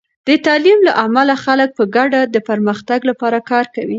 د تعلیم له امله، خلک په ګډه د پرمختګ لپاره کار کوي.